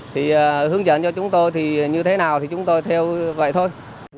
thì hướng dẫn cho chúng tôi thì như thế nào thì chúng tôi theo vậy thôi